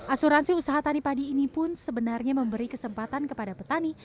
asuransi usaha tani padi ini pun sebenarnya memberi kesempatan kepada petani